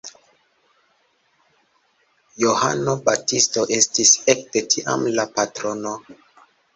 Johano Baptisto estis ekde tiam la patrono.